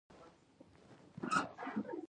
که هر څو چیغې وهي داسې څوک نشته